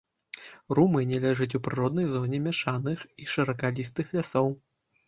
Румынія ляжыць у прыроднай зоне мяшаных і шыракалістых лясоў.